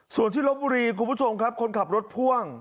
ส่วนที่ลบบุรีคุณผู้ชมครับคนขับรถพ่วง